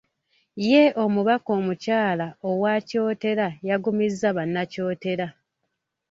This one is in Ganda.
Ye omubaka omukyala owa Kyotera yagumizza Bannakyotera.